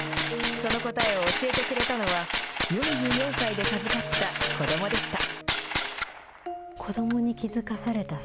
その答えを教えてくれたのは、４４歳で授かった子どもでした。